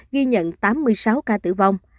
ghi nhận tám mươi sáu ca tử vong